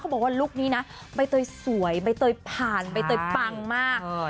บอกว่าลุคนี้นะใบเตยสวยใบเตยผ่านใบเตยปังมาก